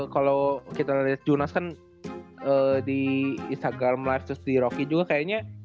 kalo kita liat junas kan di instagram live terus di rocky juga kayaknya